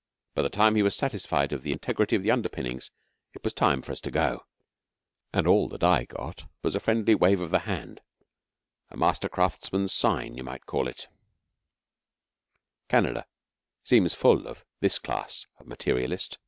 By the time he was satisfied of the integrity of the underpinnings it was time for us to go; and all that I got was a friendly wave of the hand a master craftsman's sign, you might call it. [Footnote 4: Hex River, South Africa.] Canada seems full of this class of materialist.